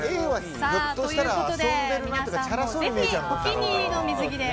ということで皆さんも、ぜひお気に入りの水着で。